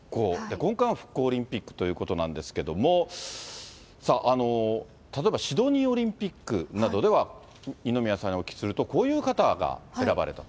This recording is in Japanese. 今回も復興オリンピックということなんですけども、例えばシドニーオリンピックなどでは、二宮さんにお聞きすると、こういう方が選ばれたと。